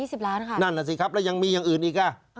เกือบ๒๐ล้านค่ะนั่นแหละสิครับแล้วยังมีอย่างอื่นอีก